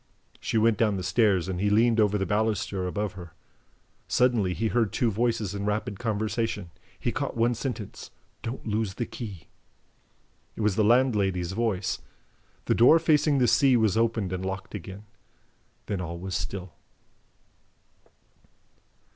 She went down the stairs and he leaned over the baluster above her. Suddenly he heard two voices in rapid conversation. He caught one sentence: "Don't lose the key." It was the landlady's voice. The door facing the sea was opened and locked again. Then all was still.